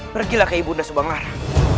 pergilah ke ibu nanda subangara